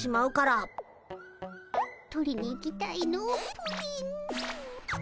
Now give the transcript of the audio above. プリン。